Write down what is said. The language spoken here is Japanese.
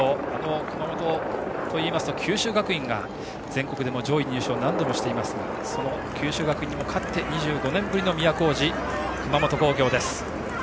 熊本といいますと九州学院が、全国でも上位入賞を何度もしていますがその九州学院にも勝って２５年ぶりの都大路熊本工業です。